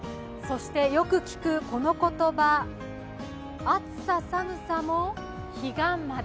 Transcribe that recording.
よく聞くこの言葉、暑さ寒さも彼岸まで。